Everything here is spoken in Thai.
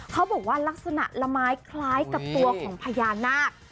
เขาบอกว่าลักษณะละไม้คล้ายกับตัวของพญานาค